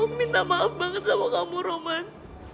oh minta maaf banget sama kamu roman